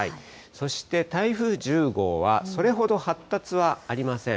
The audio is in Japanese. そして台風１０号は、それほど発達はありません。